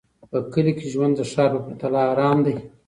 په کلي کې ژوند د ښار په پرتله ارام دی.